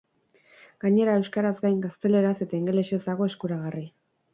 Gainera, euskaraz gain, gazteleraz eta ingelesez dago eskuragarri.